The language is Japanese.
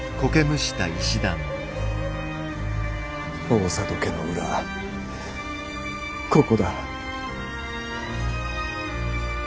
大郷家の裏ここだ。